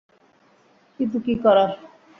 কিন্তু কী করার?